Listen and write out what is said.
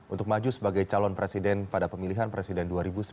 untuk maju sebagai calon presiden pada pemilihan presiden dua ribu sembilan belas